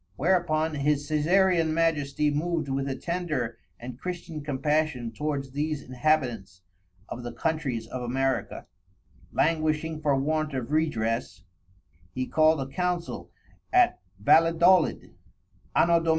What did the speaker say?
Whereupon his_ Caeserean Majesty moved with a tender and Christian compassion towards these Inhabitants of the Countries of America, languishing for want of redress, he called a Council at Valedolid, _Anno Dom.